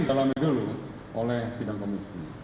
di dalam dulu oleh sidang komunis